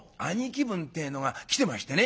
分ってえのが来てましてね」。